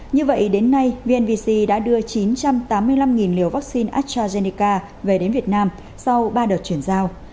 như vậy đến nay vnvc đã đưa chín trăm tám mươi năm liều vaccine astrazeneca về đến việt nam sau ba đợt chuyển giao